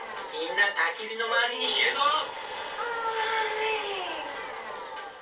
みんなたき火の周りに集合！」。